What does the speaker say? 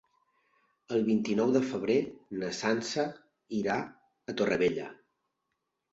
El vint-i-nou de febrer na Sança irà a Torrevella.